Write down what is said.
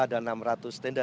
ada enam ratus tenda